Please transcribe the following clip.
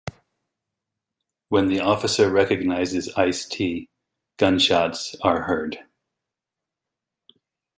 When the officer recognizes Ice-T, gunshots are heard.